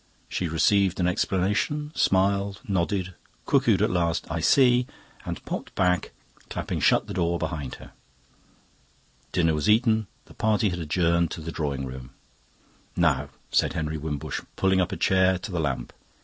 She received an explanation, smiled, nodded, cuckooed at last "I see," and popped back, clapping shut the door behind her. Dinner was eaten; the party had adjourned to the drawing room. "Now," said Henry Wimbush, pulling up a chair to the lamp.